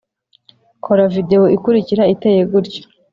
kora videwo ikurikira iteye gutya